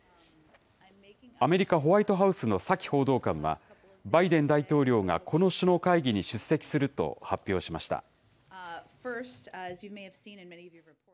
アメリカ、ホワイトハウスのサキ報道官は、バイデン大統領がこの首脳会議に出席すると発表しました。